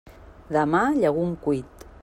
Demà, llegum cuit.